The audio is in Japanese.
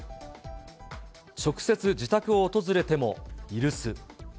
直接自宅を訪れても、居留守。